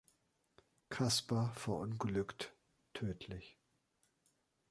Kaspar verunglückt tödlich.